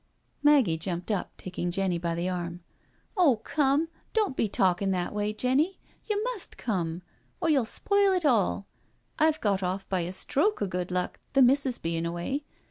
Maggie jumped up, taking Jenny by the arm. *' Oh come, don't be talkin' that way, Jenny. You must come, or you'll spoil it all. I've got off by a stroke o' good luck, the missus bein' away.